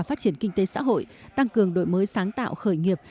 phát triển kinh tế xã hội tăng cường đổi mới sáng tạo khởi nghiệp